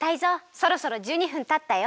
そろそろ１２分たったよ！